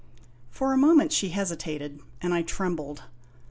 " For a moment she hesitated, and I trembled.